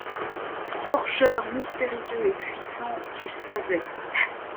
Forgeur mystérieux et puissant, tu savais